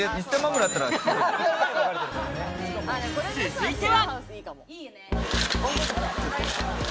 続いては。